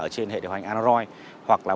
trên hệ điều hành android hoặc là